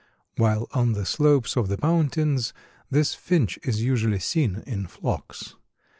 While on the slopes of the mountains this Finch is usually seen in flocks.